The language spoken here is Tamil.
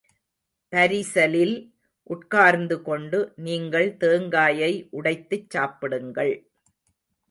பரிசலில் உட்கார்ந்துகொண்டு நீங்கள் தேங்காயை உடைத்துச் சாப்பிடுங்கள்.